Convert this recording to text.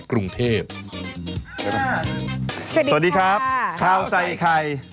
ข้าวใส่ไข่